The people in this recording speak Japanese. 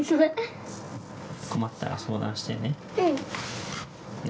困ったら相談してね。